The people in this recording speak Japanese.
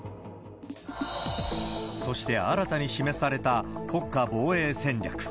そして新たな示された国家防衛戦略。